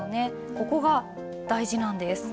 ここが大事なんです。